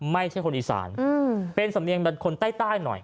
ไม่ใช่คนอีสานอืมเป็นสำเรียงแบบคนใต้ใต้หน่อย